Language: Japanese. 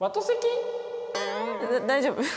大丈夫？